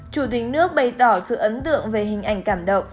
chủ tịch nước bày tỏ sự ấn tượng về hình ảnh cảm động